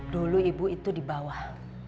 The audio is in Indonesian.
dulu ibu itu di bawah